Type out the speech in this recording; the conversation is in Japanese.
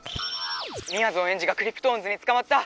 「みやぞんエンジがクリプトオンズにつかまった！」。